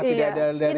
tidak ada dari